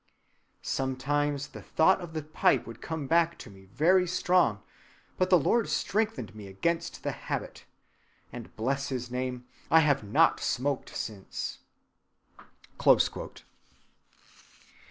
Sometimes the thought of the pipe would come back to me very strong; but the Lord strengthened me against the habit, and, bless his name, I have not smoked since."